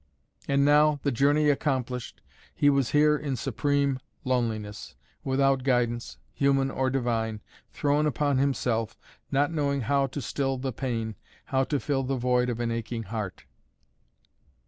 And now, the journey accomplished, he was here in supreme loneliness, without guidance, human or divine, thrown upon himself, not knowing how to still the pain, how to fill the void of an aching heart.